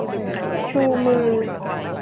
ชูมือ